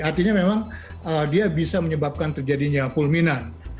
artinya memang dia bisa menyebabkan terjadinya fulminan